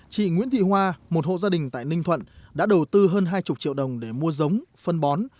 chị nguyễn thị hoa một hộ gia đình tại ninh thuận đã đầu tư hơn hai mươi triệu đồng để mua giống phân bón